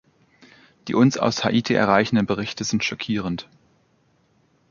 Die uns aus Haiti erreichenden Berichte sind schockierend.